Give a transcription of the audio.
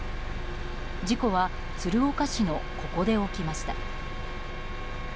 事故は鶴岡市のここで起きました。